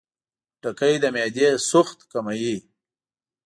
خټکی د معدې سوخت کموي.